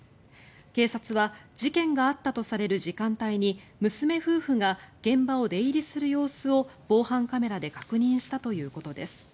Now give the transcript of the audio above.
警察は事件があったとされる時間帯に娘夫婦が現場を出入りする様子を防犯カメラで確認したということです。